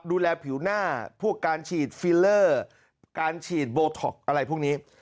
ผิวหน้าพวกการฉีดฟิลเลอร์การฉีดโบท็อกซ์อะไรพวกนี้